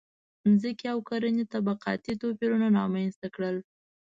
• ځمکې او کرنې طبقاتي توپیرونه رامنځته کړل.